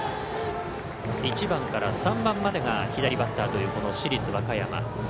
１番から３番までが左バッターというこの市立和歌山。